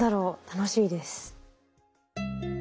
楽しみです。